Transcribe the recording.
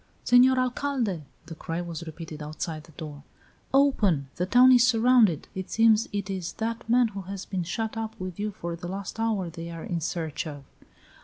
"Senor Alcalde!" the cry was repeated outside the door, "open! The town is surrounded! It seems it is that man who has been shut up with you for the last hour they are in search of!"